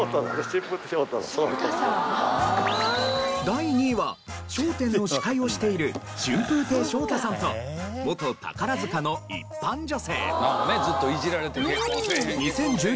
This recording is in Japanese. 第２位は『笑点』の司会をしている春風亭昇太さんと元宝塚の一般女性。